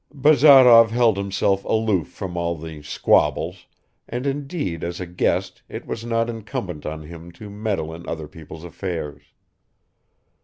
Bazarov held himself aloof from all the "squabbles," and indeed as a guest it was not incumbent on him to meddle in other people's affairs.